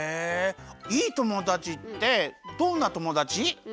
いいともだちってどんなともだち？